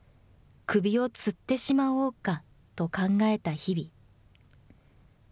首をつってしまおうか？と考えた日々。